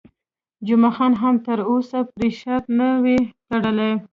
جمعه خان هم تر اوسه پرې شرط نه وي تړلی.